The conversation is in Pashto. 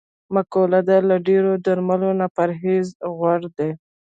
مقوله ده: له ډېری درملو نه پرهېز غور دی.